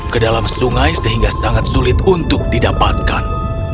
ke dalam sungai sehingga sangat sulit untuk didapatkan